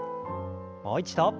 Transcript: もう一度。